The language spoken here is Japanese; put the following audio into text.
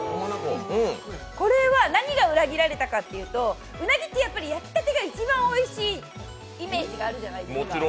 これは何が裏切られたかというと、うなぎって焼き立てが一番おいしいイメージがあるじゃないですか。